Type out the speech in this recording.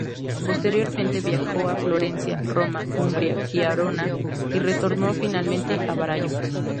Posteriormente viajó a Florencia, Roma, Umbría y Arona y retornó finalmente a Varallo.